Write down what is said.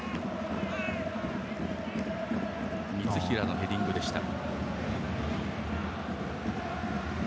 三平のヘディングでした。